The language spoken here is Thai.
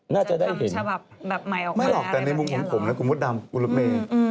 น่าจะได้เห็นไม่หรอกแต่ในมุมของผมนะคุณพุทรดำคุณละเมย์